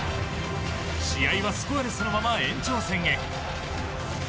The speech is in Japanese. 試合はスコアレスのまま延長戦へ。